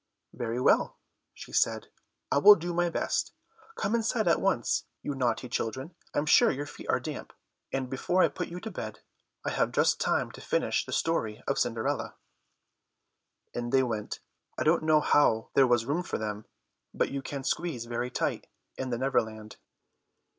"Very well," she said, "I will do my best. Come inside at once, you naughty children; I am sure your feet are damp. And before I put you to bed I have just time to finish the story of Cinderella." In they went; I don't know how there was room for them, but you can squeeze very tight in the Neverland.